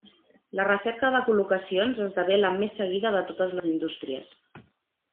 La recerca de col·locacions esdevé la més seguida de totes les indústries.